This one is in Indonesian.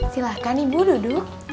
silahkan ibu duduk